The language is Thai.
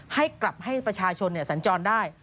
ให้กลับให้ประชาชนสัญจรได้